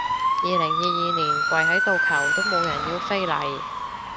二零二二年跪喺度求都冇人要飛嚟